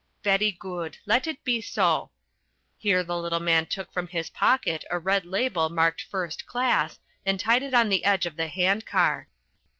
"Very good. Let it be so." Here the little man took from his pocket a red label marked FIRST CLASS and tied it on the edge of the hand car.